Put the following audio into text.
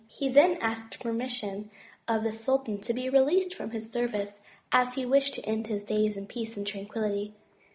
He then asked permission of the sultan to be released from his service as he wished to end his days in peace and tranquillity.